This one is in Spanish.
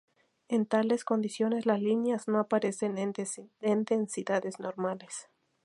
En tales condiciones, las líneas no aparecen en densidades normales.